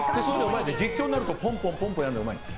実況になるとポンポンやるのがうまい。